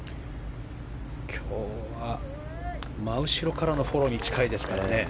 今日は真後ろからのフォローに近いですからね。